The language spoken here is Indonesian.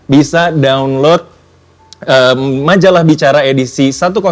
bisa download majalah bicara edisi satu ratus dua